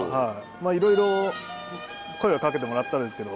いろいろ声はかけてもらったんですけど。